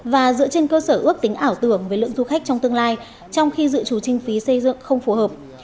và dựa trên cơ sở ước tính ảo tưởng về lượng du khách trong tương lai trong khi dự trú trinh phí xây dựng không phù hợp